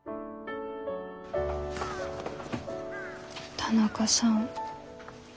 田中さん